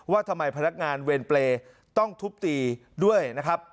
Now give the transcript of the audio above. ว่าทำไมพนักงานเวรเปรย์ต้องทุบตีด้วยนะครับ